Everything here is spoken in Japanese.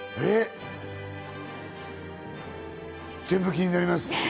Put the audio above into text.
全部気になります。